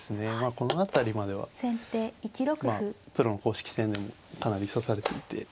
この辺りまではまあプロの公式戦でもかなり指されていて。